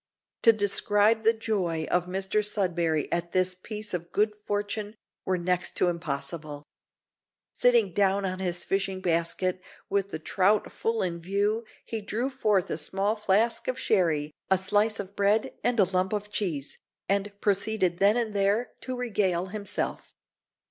To describe the joy of Mr Sudberry at this piece of good fortune were next to impossible. Sitting down on his fishing basket, with the trout full in view, he drew forth a small flask of sherry, a slice of bread, and a lump of cheese, and proceeded then and there to regale himself.